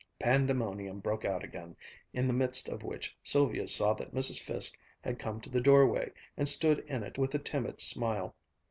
Pandemonium broke out again, in the midst of which Sylvia saw that Mrs. Fiske had come to the doorway and stood in it with a timid smile.